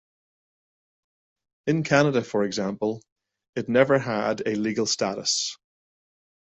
In Canada for example, it never had a legal status.